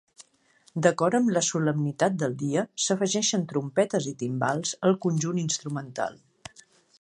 D'acord amb la solemnitat del dia, s'afegeixen trompetes i timbals al conjunt instrumental.